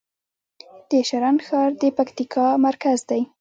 د شرن ښار د پکتیکا مرکز دی